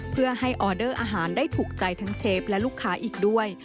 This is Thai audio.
เพื่อให้ออเดอร์อาหารได้ถูกใจทั้งเชฟและลูกค้าอีกด้วย